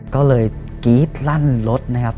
ก็เลยกรี๊ดลั่นรถนะครับ